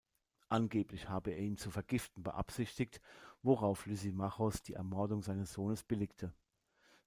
Angeblich habe er ihn zu vergiften beabsichtigt, worauf Lysimachos die Ermordung seines Sohnes billigte.